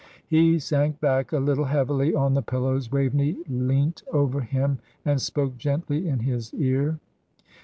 He sank back a little heavily on the pillows. Waveney leant over him and spoke gently in his ear.